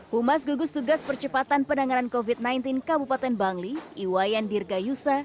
humas gugus tugas percepatan penanganan covid sembilan belas kabupaten bangli iwayan dirgayusa